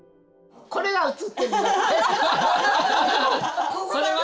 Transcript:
これは映ってる。